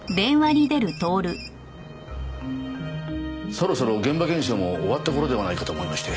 そろそろ現場検証も終わった頃ではないかと思いまして。